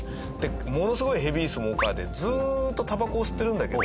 ものすごいヘビースモーカーでずっとタバコを吸ってるんだけど。